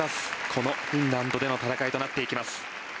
このフィンランドでの戦いになってきます。